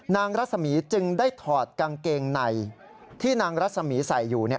นางรัศมีจึงได้ถอดกางเกงในที่นางรัศมีใส่อยู่